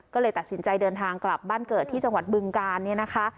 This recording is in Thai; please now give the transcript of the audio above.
ก็เลยตัดสินใจเดินทางกลับบ้านเกิดที่จังหวัดบึงการเนี่ยนะคะ